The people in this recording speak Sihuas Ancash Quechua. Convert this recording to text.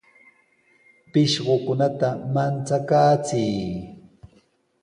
Pishqukunata manchakaachiy.